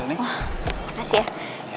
wah makasih ya